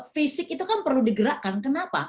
fisik itu kan perlu digerakkan kenapa